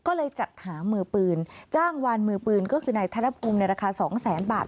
ก็เลยจัดหามือปืนจ้างวานมือปืนก็คือนายธนภูมิในราคาสองแสนบาท